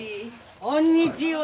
こんにちは。